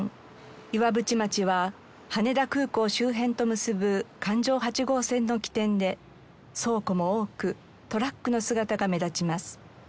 岩淵町は羽田空港周辺と結ぶ環状八号線の起点で倉庫も多くトラックの姿が目立ちます。